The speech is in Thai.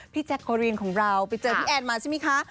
แจ๊คโอรีนของเราไปเจอพี่แอนมาใช่ไหมคะ